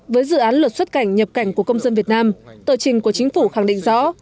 với dự án luật xuất cảnh nhập cảnh của công dân việt nam tờ trình của chính phủ khẳng định rõ